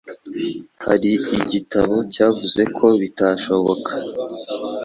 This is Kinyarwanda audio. Hari igitabo cyavuze ko bitashobokaga